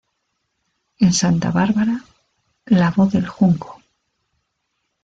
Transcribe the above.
En Santa Bárbara, "La Voz del Junco".